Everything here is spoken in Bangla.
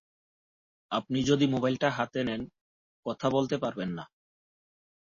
আপনি যদি মোবাইলটা হাতে নেন, কথা বলতে পারবেন না।